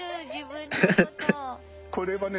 これはね